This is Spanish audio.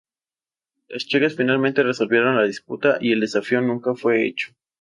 Las chicas finalmente resolvieron la disputa, y el desafío nunca fue hecho.